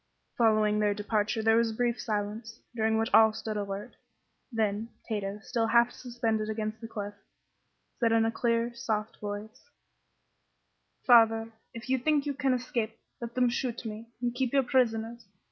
Following their departure there was a brief silence, during which all stood alert. Then, Tato, still half suspended against the cliff, said in a clear, soft voice: "Father, if you think you can escape, let them shoot me, and keep your prisoners.